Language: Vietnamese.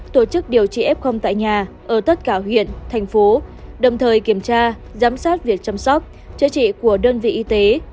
tổ chức điều trị f tại nhà ở tất cả huyện thành phố đồng thời kiểm tra giám sát việc chăm sóc chữa trị của đơn vị y tế